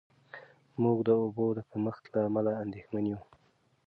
موږ د اوبو د کمښت له امله اندېښمن یو.